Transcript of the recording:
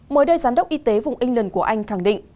mới đây giám đốc y tế vùng england của anh khẳng định